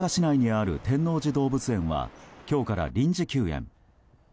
大阪市内にある天王寺動物園は今日から臨時休園。